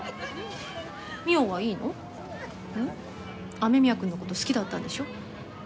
雨宮くんの事好きだったんでしょ？